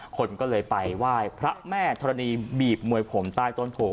คนก็เลยไปไหว้พระแม่ธรณีบีบมวยผมใต้ต้นโพ